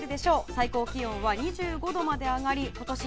最高気温は２５度まで上がり今年